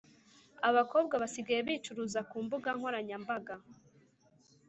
Abakobwa basigaye bicuruza kumbuga nkoranya mbaga